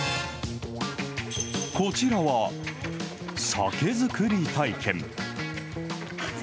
こちらは、酒造り体験。